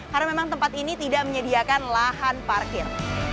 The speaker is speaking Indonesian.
karena memang tempat ini tidak menyediakan lahan parkir